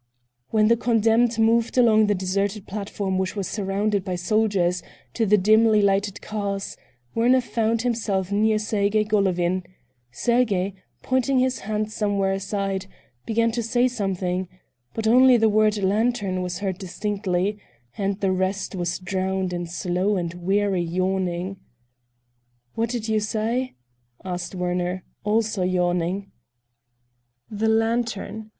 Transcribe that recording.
When the condemned moved along the deserted platform which was surrounded by soldiers, to the dimly lighted cars, Werner found himself near Sergey Golovin; Sergey, pointing with his hand somewhere aside, began to say something, but only the word "lantern" was heard distinctly, and the rest was drowned in slow and weary yawning. "What did you say?" asked Werner, also yawning. "The lantern.